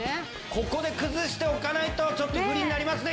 ここで崩しておかないとちょっと不利になりますね